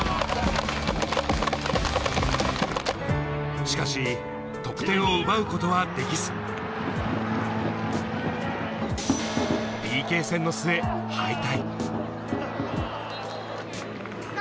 しかし、得点を奪うことはできず、ＰＫ戦の末、敗退。